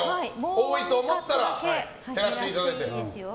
多いと思ったら減らしてもらって。